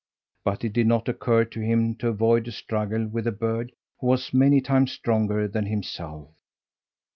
But it did not occur to him to avoid a struggle with a bird who was many times stronger than himself.